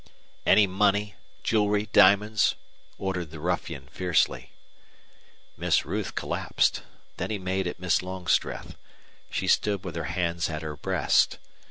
"Any money, jewelry, diamonds!" ordered the ruffian, fiercely. Miss Ruth collapsed. Then he made at Miss Longstreth. She stood with her hands at her breast.